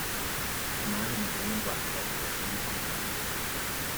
A man in a green and black coat is leaning on trashcan.